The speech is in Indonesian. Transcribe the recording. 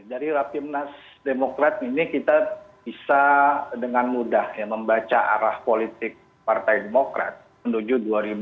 dari rapimnas demokrat ini kita bisa dengan mudah membaca arah politik partai demokrat menuju dua ribu dua puluh